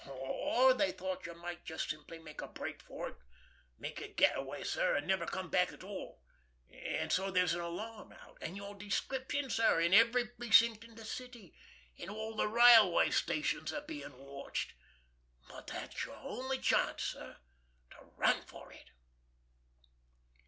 Or they thought you might just simply make a break for it, make your getaway, sir, and never come back at all; and so there's an alarm out, and your description, sir, in every precinct in the city, and all the railway stations are being watched. But that's your only chance, sir, to run for it."